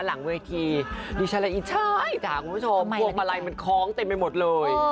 หลังเวทีดิฉันและอีชายจ้ะคุณผู้ชมพวงมาลัยมันคล้องเต็มไปหมดเลย